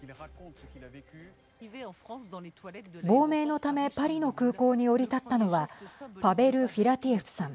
亡命のためパリの空港に降り立ったのはパベル・フィラティエフさん。